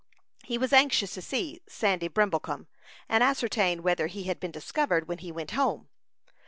He was anxious to see Sandy Brimblecom, and ascertain whether he had been discovered when he went home.